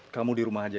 kamu di rumah saja ya